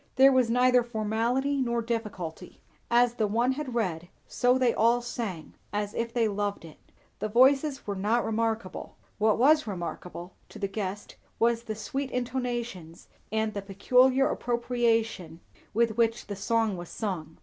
There was neither formality nor difficulty; as the one had read, so they all sang, as if they loved it. The voices were not remarkable; what was remarkable, to the guest, was the sweet intonations and the peculiar appropriation with which the song was sung.